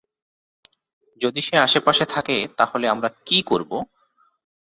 যদি সে আশেপাশে থাকে তাহলে আমরা কি করব?